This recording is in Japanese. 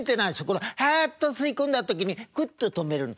このハッと吸い込んだ時にクッと止めるの。